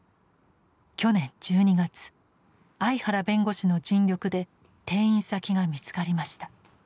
去年１２月相原弁護士の尽力で転院先が見つかりました。